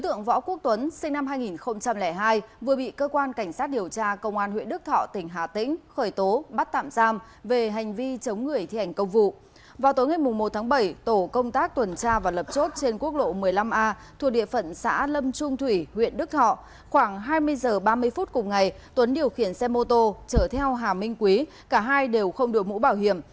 thuộc địa phận xã lâm trung thủy huyện đức họ khoảng hai mươi h ba mươi phút cùng ngày tuấn điều khiển xe mô tô chở theo hà minh quý cả hai đều không được mũ bảo hiểm